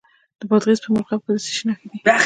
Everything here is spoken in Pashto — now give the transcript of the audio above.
د بادغیس په مرغاب کې د څه شي نښې دي؟